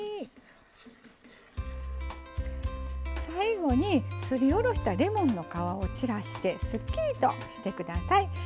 最後にすりおろしたレモンの皮を散らしてすっきりとして下さい。